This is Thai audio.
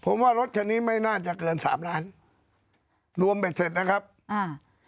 ผมว่ารถคันนี้ไม่น่าจะเกินสามล้านรวมเบ็ดเสร็จนะครับอ่า